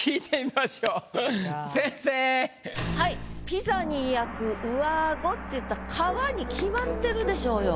「ピザに焼く上顎」っていったら皮に決まってるでしょうよ。